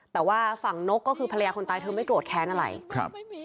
แต่ว่าฝั่งนกก็คือภรรยาคนตายเธอไม่โกรธแค้นอะไรครับ